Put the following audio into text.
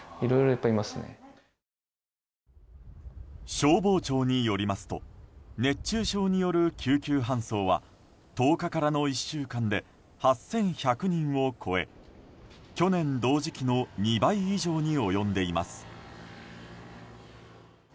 消防庁によりますと熱中症による救急搬送は１０日からの１週間で８１００人を超え去年同時期の２倍以上に及んでいます。